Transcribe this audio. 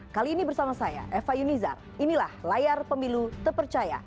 kali ini bersama saya eva yunizar inilah layar pemilu terpercaya